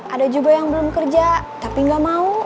ada juga yang belum kerja tapi nggak mau